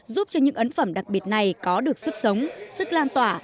giúp cho những ấn phẩm đặc biệt này có được sức sống sức lan tỏa